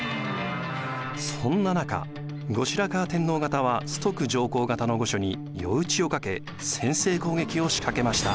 そんな中後白河天皇方は崇徳上皇方の御所に夜討ちをかけ先制攻撃を仕掛けました。